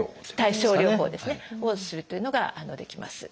対症療法をするというのができます。